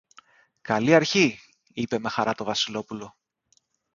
Καλή αρχή! είπε με χαρά το Βασιλόπουλο.